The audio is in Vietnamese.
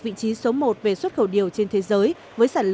vì chúng ta đã quá phát triển